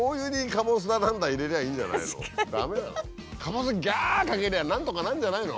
カボスぎゃかけりゃなんとかなるんじゃないの？